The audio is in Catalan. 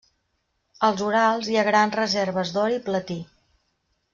Als Urals hi ha grans reserves d'or i platí.